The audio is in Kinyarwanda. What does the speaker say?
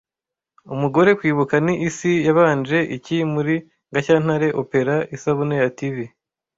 Umugore Kwibuka ni isi yabanje iki muri Gashyantare Opera Isabune ya TV